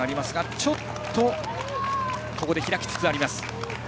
ちょっと開きつつあります。